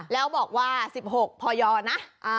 แล้วบอกว่า๑๖พยนะ